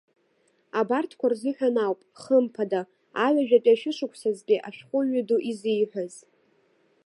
Абарҭқәа рзыҳәан ауп, хымԥада, аҩажәатәи ашәышықәсазтәи ашәҟәыҩҩы ду изиҳәаз.